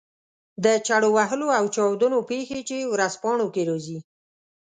د چړو وهلو او چاودنو پېښې چې ورځپاڼو کې راځي.